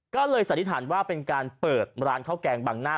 ก็เลยสันนิษฐานว่าเป็นการเปิดร้านข้าวแกงบังหน้า